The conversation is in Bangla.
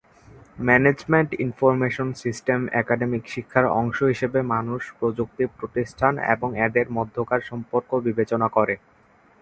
ম্যানেজমেন্ট ইনফরমেশন সিস্টেম একাডেমিক শিক্ষার অংশ হিসেবে মানুষ, প্রযুক্তি, প্রতিষ্ঠান এবং এদের মধ্যকার সম্পর্ক বিবেচনা করে।